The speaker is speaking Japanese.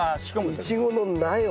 イチゴの苗をね